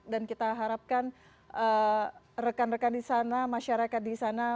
dan kita harapkan rekan rekan di sana masyarakat di sana